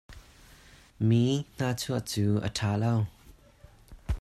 Mi nahchuah cu a ṭha lo.